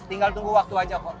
tinggal tunggu waktu aja kok